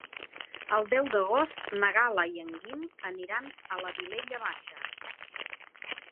El deu d'agost na Gal·la i en Guim aniran a la Vilella Baixa.